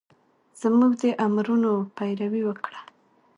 زمونږ د امرونو پېروي وکړه